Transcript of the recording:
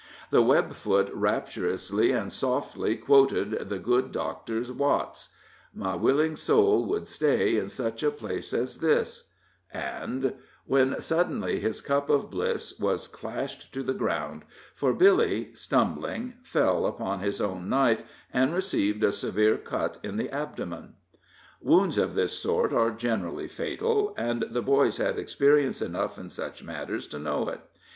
The Webfoot rapturously and softly quoted the good Doctor Watt's: "My willing soul would stay In such a place as this, And " when suddenly his cup of bliss was clashed to the ground, for Billy, stumbling, fell upon his own knife, and received a severe cut in the abdomen. Wounds of this sort are generally fatal, and the boys had experience enough in such matters to know it.